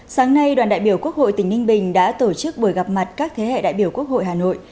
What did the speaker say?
sáng nay đoàn đại biểu quốc hội tỉnh ninh bình đã tổ chức buổi gặp mặt các thế hệ đại biểu quốc hội hà nội